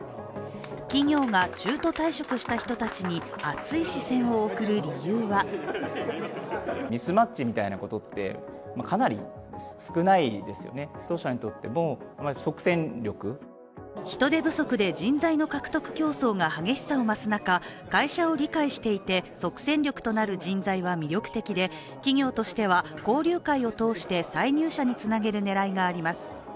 企業が中途退職した人たちに熱い視線を送る理由は人手不足で人材の獲得競争が激しさを増す中会社を理解していて、即戦力となる人材は魅力的で企業としては交流会を通して再入社につなげる狙いがあります。